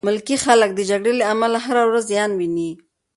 ملکي خلک د جګړې له امله هره ورځ زیان ویني.